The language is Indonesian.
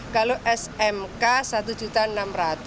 kalau smk rp satu enam ratus